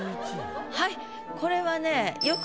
はいこれはね。